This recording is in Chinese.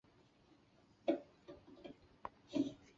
本市在东京都议会选举区中属西多摩选举区。